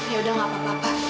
yaudah gak apa apa